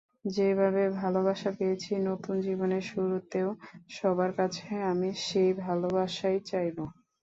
যেভাবে ভালোবাসা পেয়েছি, নতুন জীবনের শুরুতেও সবার কাছে আমি সেই ভালোবাসাই চাইব।